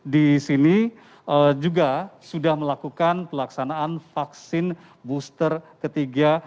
di sini juga sudah melakukan pelaksanaan vaksin booster ketiga